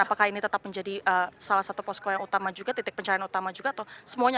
apakah ini tetap menjadi salah satu posko yang utama juga titik pencarian utama juga atau semuanya